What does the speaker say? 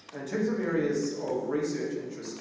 saya tahu bahwa topik topik tersebut sangat penting di indonesia